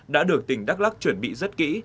đã được tỉnh đắk lắk chuẩn bị rất kỹ